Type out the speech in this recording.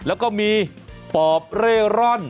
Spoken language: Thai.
และก็มีปอบเล่อร่อน